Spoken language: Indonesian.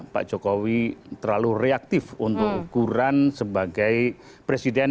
pak jokowi terlalu reaktif untuk ukuran sebagai presiden